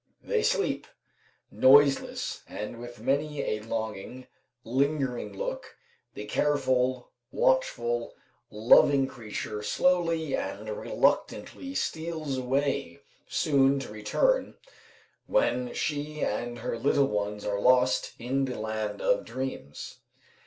They sleep. Noiseless, and with many a longing, lingering look, the careful, watchful, loving creature slowly and reluctantly steals away; soon to return, when she and her little ones are lost "in the land of dreams."